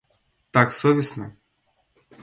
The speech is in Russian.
Так совестно!